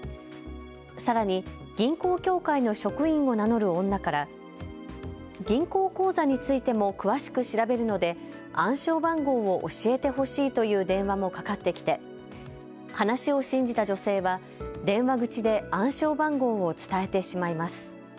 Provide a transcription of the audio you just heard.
さらに、銀行協会の職員を名乗る女から銀行口座についても詳しく調べるので暗証番号を教えてほしいという電話もかかってきて話を信じた女性は電話口で暗証番号を伝えてしまいます。